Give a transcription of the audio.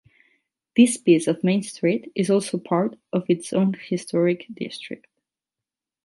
This piece of Main Street is also part of its own historic district.